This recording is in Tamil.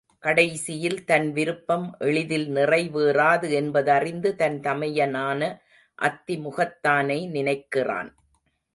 கடைசியில் தன் விருப்பம் எளிதில் நிறைவேறாது என்பதறிந்து தன் தமையனான அத்தி முகத்தானை நினைக்கிறான்.